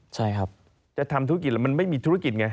แต่ทำธุรกิจมันไม่มีธุรกิจไง